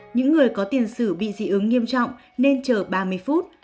những người có tiền sử bị dị ứng nghiêm trọng nên chờ ba mươi phút